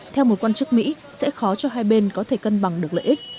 theo một quan chức mỹ sẽ khó cho hai bên có thể cân bằng được lợi ích